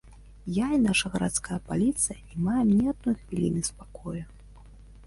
Я і наша гарадская паліцыя не маем ні адной хвіліны спакою.